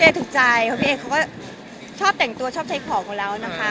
พี่เอถูกใจเพราะพี่เอเขาก็ชอบแต่งตัวชอบใช้ของของเรานะคะ